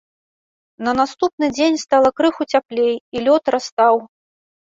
На наступны дзень стала крыху цяплей, і лёд растаў.